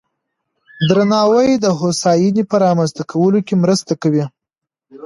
درناوی د هوساینې په رامنځته کولو کې مرسته کوي.